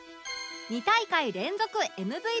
２大会連続 ＭＶＰ！